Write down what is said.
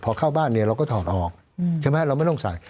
พอเข้าบ้านเนี่ยเราก็ถอดออกใช่ไหมเราไม่ต้องใส่